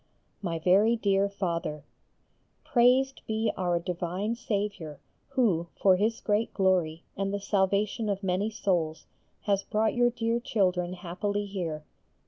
MY VERY DEAR FATHER, Praised be our divine Saviour who for His great glory and the salvation of many souls has brought your dear children happily here.